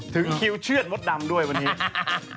ถึงคริวชื่อมดดำด้วยเพื่อนนี้